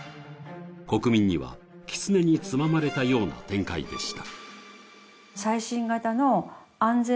国民には、きつねにつままれたような展開でした。